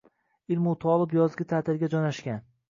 Ilmu toliblar yozgi taʼtilga joʻnashgan